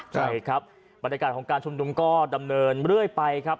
ใช่ครับบรรยากาศของการชุมนุมก็ดำเนินเรื่อยไปครับ